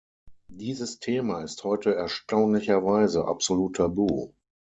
Dieses Thema ist heute erstaunlicherweise absolut tabu.